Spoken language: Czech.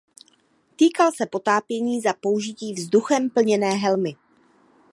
Týkal se potápění za použití vzduchem plněné helmy.